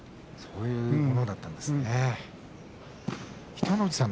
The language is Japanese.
そういうものだったんですね。